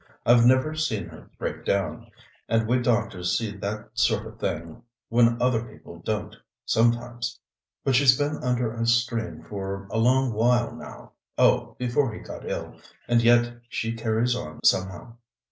I've never seen her break down, and we doctors see that sort of thing when other people don't sometimes. But she's been under a strain for a long while now oh, before he got ill and yet she carries on somehow.